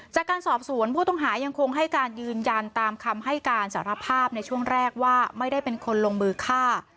จากการสอบสวนผู้ต้องหายังคงให้การยืนยันตามคำให้การสารภาพในช่วงแรกว่าไม่ได้เป็นคนลงมือฆ่า